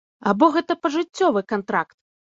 Або гэта пажыццёвы кантракт?